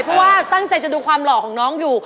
เพราะว่าตั้งใจจะดูความหล่อของน้องอยู่